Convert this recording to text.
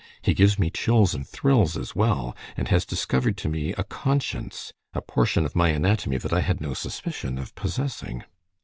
He gives me chills and thrills as well, and has discovered to me a conscience, a portion of my anatomy that I had no suspicion of possessing.